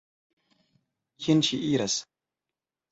Kien ŝi iras?